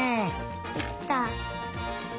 できた。